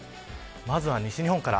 まずは西日本から。